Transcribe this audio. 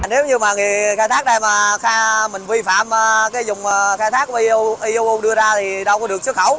nếu như mà người khai thác đây mà mình vi phạm cái dùng khai thác của euo đưa ra thì đâu có được xuất khẩu